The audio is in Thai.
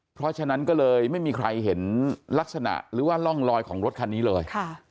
เพราะฉะนั้นก็เลยไม่มีใครเห็นลักษณะหรือว่าร่องลอยของรถคันนี้เลย